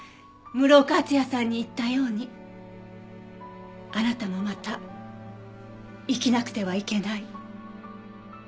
室岡厚也さんに言ったようにあなたもまた生きなくてはいけない。